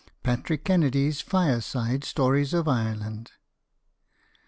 PATRICK KENNEDY'S "FIRESIDE STORIES OF IRELAND."